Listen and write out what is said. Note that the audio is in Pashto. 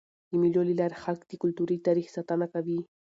د مېلو له لاري خلک د کلتوري تاریخ ساتنه کوي.